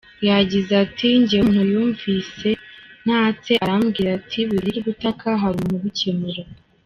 Yagize ati :”Njyewe umuntu yumvise ntatse arambwira ati wikwirirwa utaka hari umuntu ubikemura.